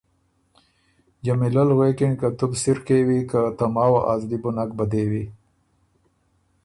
جمیلۀ ل غوېکِن که تُو بو سِر کېوی که ته ماوه ا زلی بو نک بدېوی۔